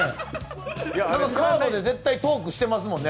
カードで絶対トークしてますもんね。